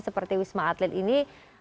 seperti wisma atlet ini